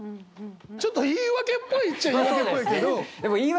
ちょっと言い訳っぽいっちゃ言い訳っぽいけど。